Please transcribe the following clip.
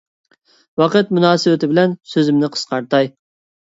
ۋاقىت مۇناسىۋىتى بىلەن سۆزۈمنى قىسقارتاي.